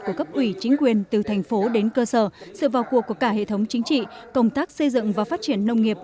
của cấp ủy chính quyền từ thành phố đến cơ sở sự vào cuộc của cả hệ thống chính trị công tác xây dựng và phát triển nông nghiệp